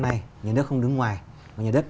này nhà nước không đứng ngoài nhà nước